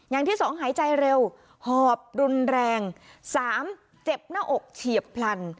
อย่างที่สองหายใจเร็วหอบรุนแรง๓เจ็บหน้าอกเฉียบพลัน